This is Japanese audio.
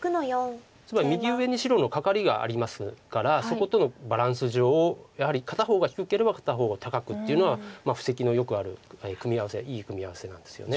つまり右上に白のカカリがありますからそことのバランス上やはり片方が低ければ片方は高くっていうのは布石のよくある組み合わせいい組み合わせなんですよね。